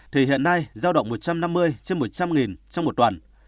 thì hiện nay giao động một trăm năm mươi trên một trăm linh trong một toàn